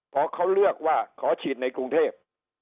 พอเขาเลือกว่าขอฉีดในกรุงเทพ